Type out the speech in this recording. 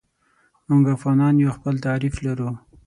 موږ افغانان یو او خپل تعریف لرو.